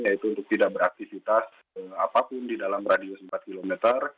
yaitu untuk tidak beraktivitas apapun di dalam radius empat km